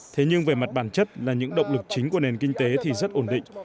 thế nhưng về mặt bản chất là những động lực chính của nền kinh tế thì rất ổn định